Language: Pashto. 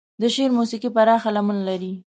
د شعر موسيقي پراخه لمن لري.